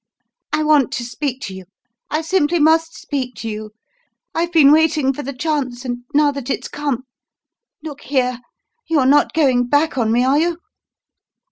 "I want to speak to you I simply must speak to you. I've been waiting for the chance, and now that it's come Look here! You're not going back on me, are you?"